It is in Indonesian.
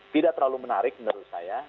tidak terlalu menarik menurut saya